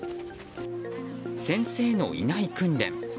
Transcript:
先生のいない訓練。